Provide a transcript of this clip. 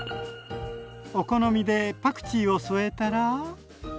お好みでパクチーを添えたら。